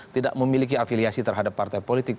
tidak memiliki afiliasi terhadap partai politik